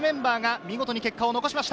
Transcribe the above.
見事に結果を残しました。